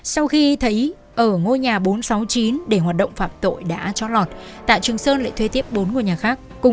sau khi thấy ở ngôi nhà bốn trăm sáu mươi chín để hoạt động phạm tội đã chót lọt tạ trường sơn lại thuê tiếp bốn ngôi nhà khác